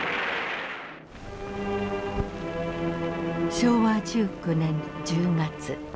昭和１９年１０月。